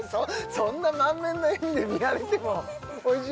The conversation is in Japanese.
そんな満面の笑みで見られてもおいしい？